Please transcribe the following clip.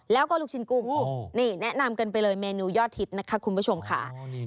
แล้วก็ลูกชิ้นกุ้งนี่แนะนำกันไปเลยเมนูยอดฮิตนะคะคุณผู้ชมค่ะ